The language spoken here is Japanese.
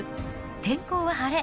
天候は晴れ。